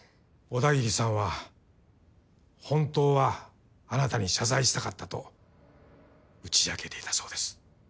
小田切さんは本当はあなたに謝罪したかったと打ち明けていたそうです。